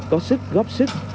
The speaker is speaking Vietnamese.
có sức góp sức